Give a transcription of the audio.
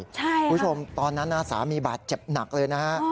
คุณผู้ชมตอนนั้นสามีบาดเจ็บหนักเลยนะฮะ